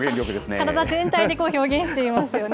体全体で表現していますよね。